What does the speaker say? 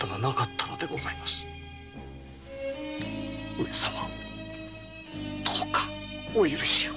上様どうかお許しを。